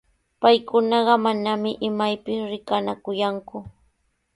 Paykunaqa manami imaypis rikanakuyanku,